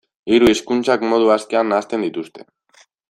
Hiru hizkuntzak modu askean nahasten dituzte.